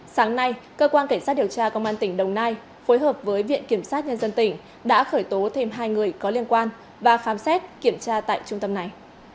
sáng nay cơ quan cảnh sát điều tra công an tỉnh đồng nai phối hợp với viện kiểm sát nhân dân tỉnh đã khởi tố thêm hai người có liên quan và khám xét kiểm tra tại trung tâm này